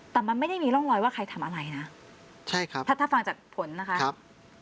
แต่มันไม่ได้มีร่องรอยว่าใครทำอะไรนะใช่ครับถ้าถ้าฟังจากผลนะคะครับ